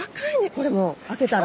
これもう開けたら。